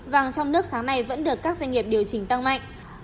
vàng trong nước sáng nay vẫn được các doanh nghiệp điều chỉnh tăng mạnh